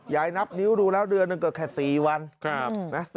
ยายนับนิ้วรู้แล้วเดือนนั้นเกิดแค่๔วัน